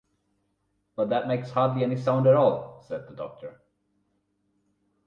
“But that makes hardly any sound at all,” said the Doctor.